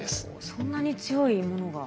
そんなに強いものが。